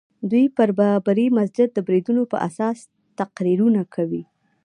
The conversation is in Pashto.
دوی پر بابري مسجد د بریدونو په اساس تقریرونه کوي.